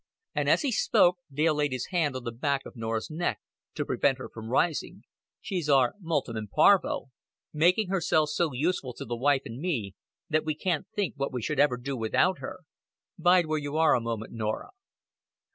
And as he spoke, Dale laid his hand on the back of Norah's neck to prevent her from rising. "She's our multum in parvo making herself so useful to the wife and me that we can't think what we should ever do without her. Bide where you are a moment, Norah."